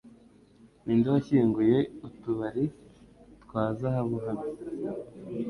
Ninde washyinguye utubari twa zahabu hano?